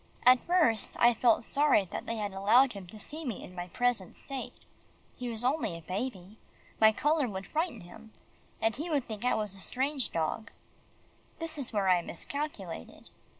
At first, I felt sorry that they had allowed him to see me in my present state. He was only a baby. My colour would frighten him, and he would think I was a strange dog. That is where I miscalculated.